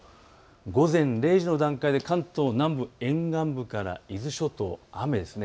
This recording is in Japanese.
午前０時の段階で関東南部、沿岸部から伊豆諸島、雨ですね。